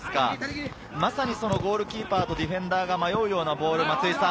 まさにそのゴールキーパーとディフェンダーが迷うようなボール。